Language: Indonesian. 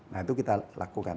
nah itu kita lakukan